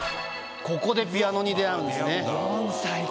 ここでピアノに出合うんですね。